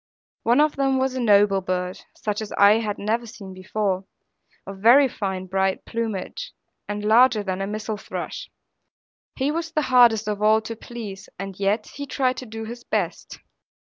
One of them was a noble bird, such as I never had seen before, of very fine bright plumage, and larger than a missel thrush. He was the hardest of all to please: and yet he tried to do his best.